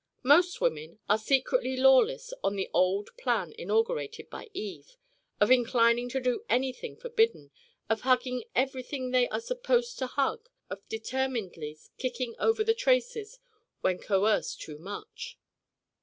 Most women are secretly lawless on the old plan inaugurated by Eve of inclining to do anything forbidden, of hugging everything they are unsupposed to hug, of determinedly kicking over the traces when coerced too much.